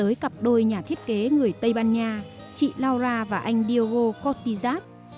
họ biết tới cặp đôi nhà thiết kế người tây ban nha chị laura và anh diogo cortizat